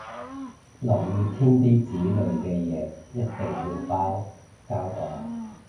落雨天啲紙類嘅嘢一定要包膠袋